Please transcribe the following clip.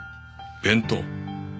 弁当？